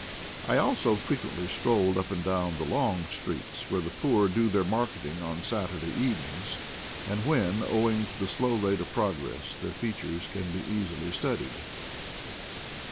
I also frequently strolled up and down the long streets, where the poor do their marketing on Saturday evenings, and when, owing to the slow rate of progress, their features can be easily studied.